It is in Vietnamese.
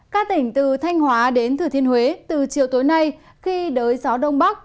các tỉnh từ thanh hóa đến thừa thiên huế từ chiều tối nay khi đới gió đông bắc